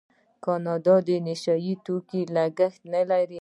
کاناډا د نشه یي توکو کښت نلري.